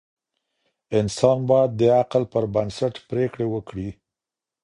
انسان باید د عقل پر بنسټ پریکړې وکړي.